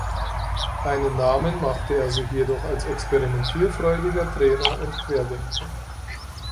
Einen Namen machte er sich jedoch als experimentierfreudiger Trainer und Querdenker.